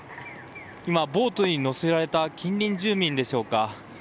ボートに乗せられた近隣住民でしょうか。